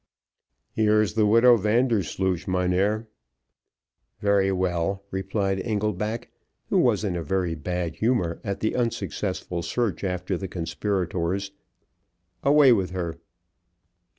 "Here is the widow Vandersloosh, mynheer." "Very well," replied Engelback, who was in a very bad humour at the unsuccessful search after the conspirators, "away with her."